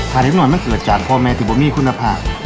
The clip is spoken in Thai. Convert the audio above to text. ภาคเล็กหน่อยมันเกิดจากพ่อแมทที่บ่มีคุณภาค